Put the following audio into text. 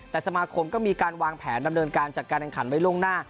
แต่สมาคมก็มีการวางแผนดำเนินการจัดการแข่งขันไว้ล่วงหน้า